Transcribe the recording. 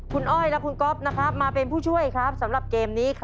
คุณอดีตโอ้ยและคุณก๊อปมาเป็นผู้ช่วยซำหรับเกมนี้